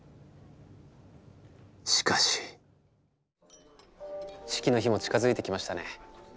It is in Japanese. しかし式の日も近づいてきましたね。